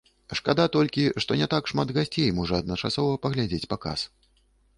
Шкада толькі, што не так шмат гасцей можа адначасова паглядзець паказ.